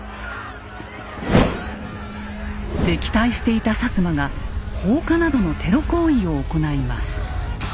敵対していた摩が放火などのテロ行為を行います。